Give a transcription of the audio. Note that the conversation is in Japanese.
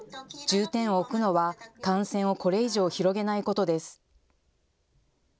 重点を置くのは感染をこれ以上、広げないことです。